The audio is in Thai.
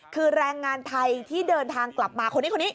คือแรงงานไทยที่เดินทางกลับมาคนนี้คนนี้